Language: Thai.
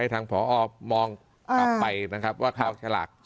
ให้ทางผอมองกลับไปนะครับ